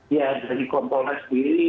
ya dari kompolnas sendiri